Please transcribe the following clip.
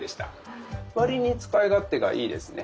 割に使い勝手がいいですね。